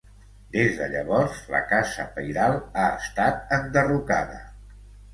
Des de llavors la casa pairal ha estat enderrocada.